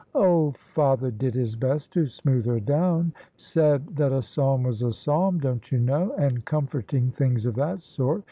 "Oh! father did his best to smooth her down; said that a psalm was a psalm, don't you know? and comforting things of that sort.